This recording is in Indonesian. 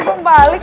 gue mau balik